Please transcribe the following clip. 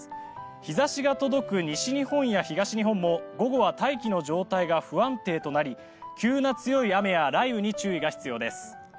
日差しが届く西日本や東日本も午後は大気の状態が不安定となり急な強い雨や雷雨に注意が必要です。